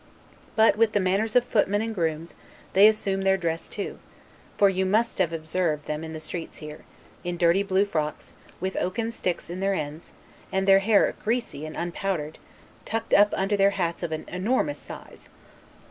But, with the manners of footmen and grooms, they assume their dress too; for you must have observed them in the streets here, in dirty blue frocks, with oaken sticks in their ends, and their hair greasy and unpowdered, tucked up under their hats of an enormous size.